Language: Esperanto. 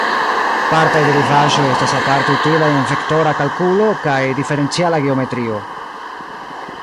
Partaj derivaĵoj estas aparte utilaj en vektora kalkulo kaj diferenciala geometrio.